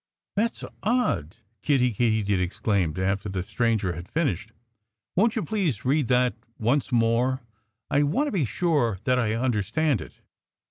_ "That's odd!" Kiddie Katydid exclaimed, after the stranger had finished. "Won't you please read that once more? I want to be sure that I understand it."